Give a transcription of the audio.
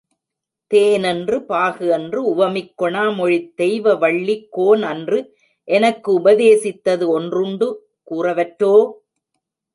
தேன்என்று பாகுஎன்று உவமிக் கொணாமொழித் தெய்வவள்ளி கோன்அன்று எனக்குஉப தேசித்தது ஒன்றுஉண்டு, கூறவற்றோ?